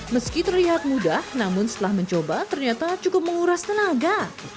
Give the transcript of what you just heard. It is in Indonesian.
meski terlihat mudah namun setelah mencoba ternyata cukup menguras tenaga